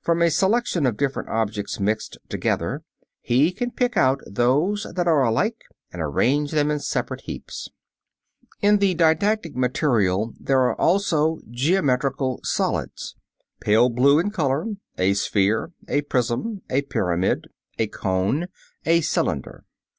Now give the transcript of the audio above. From a selection of different objects mixed together he can pick out those that are alike, and arrange them in separate heaps. In the didactic material there are also geometrical solids pale blue in color a sphere, a prism, a pyramid, a cone, a cylinder.